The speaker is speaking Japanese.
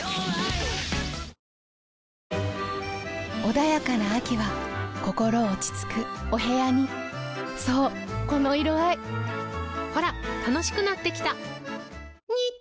穏やかな秋は心落ち着くお部屋にそうこの色合いほら楽しくなってきた！